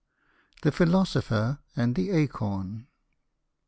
THE PHILOSOPHER AND THE ACORN.